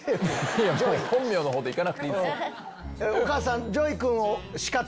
本名のほうで行かなくていいんですよ！